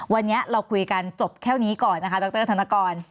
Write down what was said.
วันนี้เราคุยกันจบแค่นี้ก่อนนะคะดรธนกร